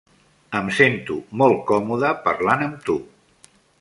Em sento molt còmode parlant amb tu.